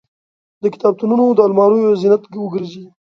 د کتابتونونو د الماریو زینت وګرځي.